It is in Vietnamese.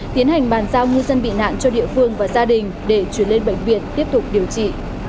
tiến hành bàn giao ngư dân bị nạn cho địa phương và gia đình để chuyển lên bệnh viện tiếp tục điều trị